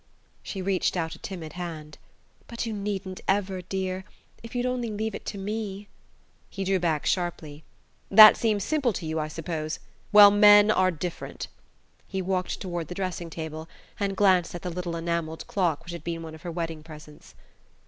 She reached out a timid hand. "But you needn't ever, dear... if you'd only leave it to me...." He drew back sharply. "That seems simple to you, I suppose? Well, men are different." He walked toward the dressing table and glanced at the little enamelled clock which had been one of her wedding presents.